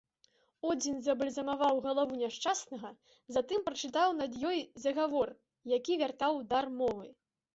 Одзін забальзамаваў галаву няшчаснага, затым прачытаў над ёй загавор, які вяртаў дар мовы.